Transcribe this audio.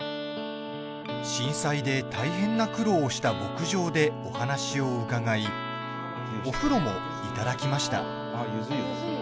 震災で大変な苦労をした牧場でお話を伺いお風呂もいただきました。